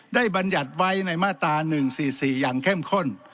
บรรยัติไว้ในมาตรา๑๔๔อย่างเข้มข้น